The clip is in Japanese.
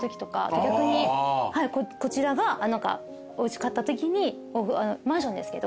逆にこちらがおうち買ったときにマンションですけど。